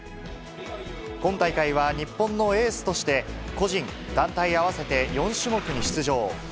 今大会は日本のエースとして、個人、団体合わせて４種目に出場。